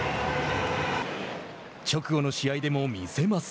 直後の試合でも見せます。